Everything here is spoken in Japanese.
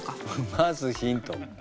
まずヒント。